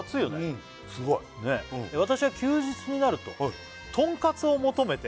うんすごい「私は休日になるととんかつを求めて」